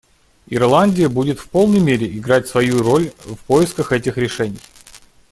Ирландия будет в полной мере играть свою роль в поисках этих решений.